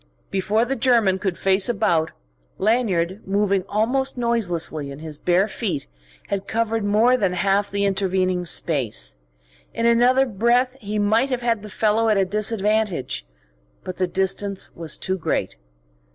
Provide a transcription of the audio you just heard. Before the German could face about, Lanyard, moving almost noiselessly in his bare feet, had covered more than half the intervening space. In another breath he might have had the fellow at a disadvantage. But the distance was too great.